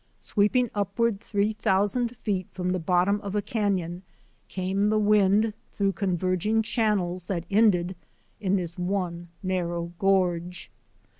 Sweep ing upward three thousand feet from the bottom of a canon came the wind through converging channels that ended in this one narrow gorge.